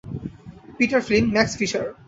Peter Flynn, Max fisher.